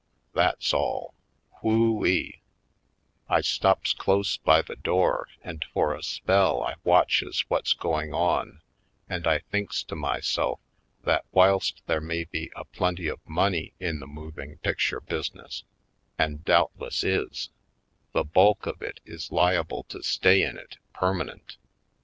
That's all — Who eel I stops close by the door and for a spell I watches what's going on and I thinks to myself that whilst there may be a plenty of money in the mov ing picture business, and doubtless is, the bulk of it is liable to stay in it permanent.